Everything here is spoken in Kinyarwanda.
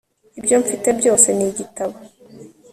ibyo mfite byose ni igitabo